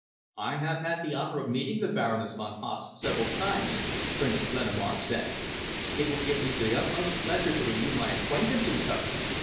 "I have had the honour of meeting the Baroness von Haase several times," Prince Lenemaur said. "It will give me the utmost pleasure to renew my acquaintance with her.